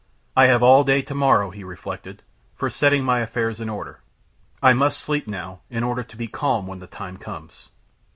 "I have all day to morrow," he reflected, "for setting my affairs in order. I must sleep now, in order to be calm when the time comes."